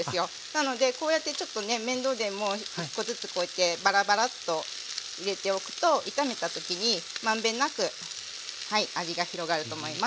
なのでこうやってちょっとね面倒でも１個ずつこうやってバラバラッと入れておくと炒めた時に満遍なく味が広がると思います。